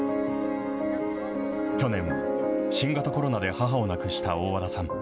去年、新型コロナで母を亡くした大和田さん。